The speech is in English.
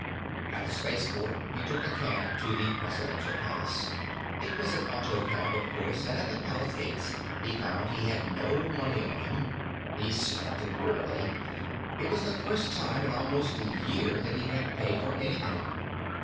At the spaceport he took a cab to the Presidential Palace. It was an auto cab, of course, and at the Palace gates he found he had no money on him. He snorted wearily. It was the first time in almost a year that he'd had to pay for anything.